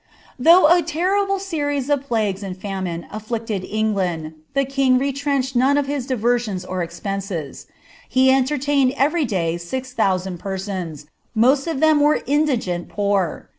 ^' Though a terrible series of plagues ami fanuiw «A«m< England, the king retrenched none of his diver«oiis or espMMM. Of entertained every day six thousand persons, most of them were indifiM poor.